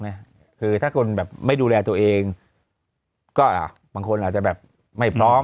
เนี่ยคือถ้ากลุ่มไม่ดูแลตัวเองก็บางคนอาจจะแบบไม่พร้อม